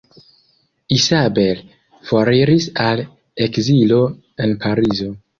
Isabel foriris al ekzilo en Parizo.